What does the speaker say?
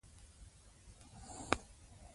موږ باید دا غږ واورو.